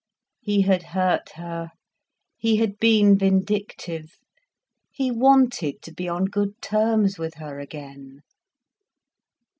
He had hurt her, he had been vindictive. He wanted to be on good terms with her again.